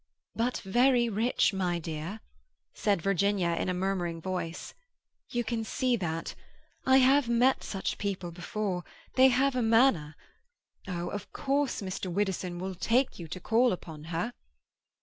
"But very rich, my dear," said Virginia in a murmuring voice. "You can see that. I have met such people before; they have a manner—oh! Of course Mr. Widdowson will take you to call upon her."